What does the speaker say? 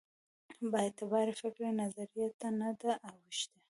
بااعتبارې فکري نظریې ته نه ده اوښتې.